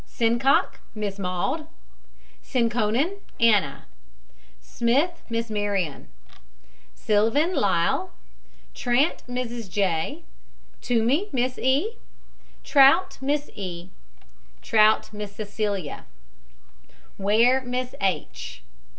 SINCOCK, MISS MAUDE. SINKKONNEN, ANNA. SMITH, MISS MARION. SILVEN, LYLLE. TRANT, MRS J. TOOMEY, MISS. E. TROUTT, MISS E. TROUTT, MISS CECELIA. WARE, MISS H.